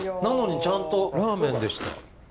なのにちゃんとラーメンでした。